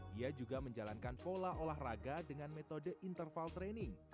dia juga menjalankan pola olahraga dengan metode interval training